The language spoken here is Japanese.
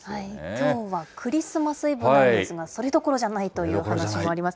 きょうはクリスマスイブなんですが、それどころじゃないという話もあります。